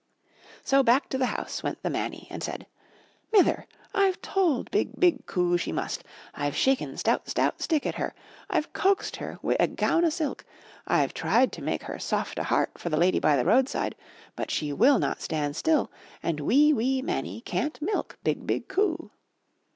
So back to the house went the Mannie and said: ^^Mither, I've told BIG, BIG COO she must, Tve shaken stout, stout stick at her, Fve coaxed her wi' a gown o' silk, Fve tried to make her soft o' heart for the lady by the roadside, but she will not stand still and wee, wee Mannie can't milk BIG, BIG COO."